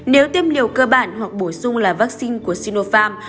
nếu tiêm liều cơ bản hoặc bổ sung là vaccine của sinopharm